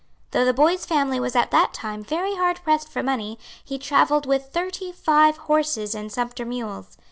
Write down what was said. Though the boy's family was at that time very hard pressed for money, he travelled with thirty five horses and sumpter mules.